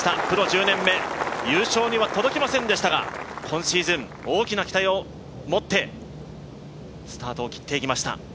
プロ１０年目、優勝には届きませんでしたが、今シーズン、大きな期待を持ってスタートを切っていきました。